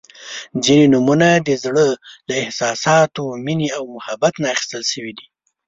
• ځینې نومونه د زړۀ له احساساتو، مینې او محبت نه اخیستل شوي دي.